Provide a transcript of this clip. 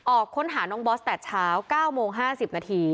ออกค้นหาน้องบอสแต่เช้า๙โมง๕๐นาที